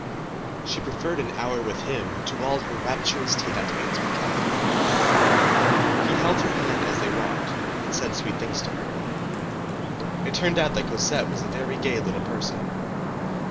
She preferred an hour with him to all her rapturous tête à têtes with Catherine. He held her hand as they walked, and said sweet things to her. It turned out that Cosette was a very gay little person.